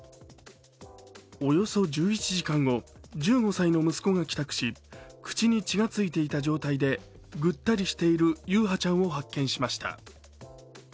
およそ１１時間後１５歳の息子が帰宅し口に血がついていた状態でぐったりしている優陽ちゃんを発見しました。